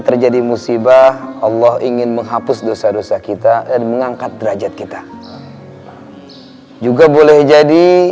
terjadi musibah allah ingin menghapus dosa dosa kita dan mengangkat derajat kita juga boleh jadi